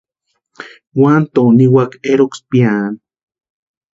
Uantoo niwaka eroksï piaani.